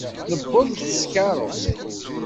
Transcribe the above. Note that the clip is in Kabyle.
Nuweḍ-d s tkeṛṛust.